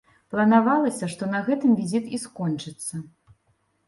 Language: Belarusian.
Планавалася, што на гэтым візіт і скончыцца.